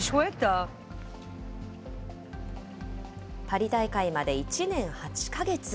パリ大会まで１年８か月。